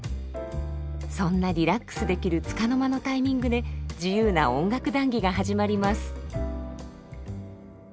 そんなリラックスできるつかの間のタイミングで自由な音楽談義が始まります。